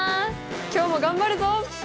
今日も頑張るぞ！